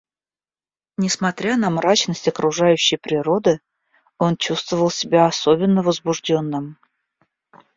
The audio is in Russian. Несмотря на мрачность окружающей природы, он чувствовал себя особенно возбужденным.